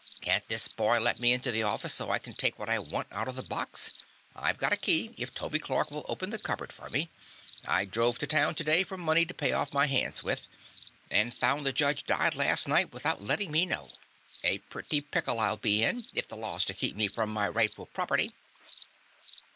Can't this boy let me into the office so I can take what I want out of the box? I've got a key, if Toby Clark will open the cupboard for me. I drove to town to day for money to pay off my hands with, and found the judge died las' night, without letting me know. A pretty pickle I'll be in, if the law's to keep me from my rightful property!"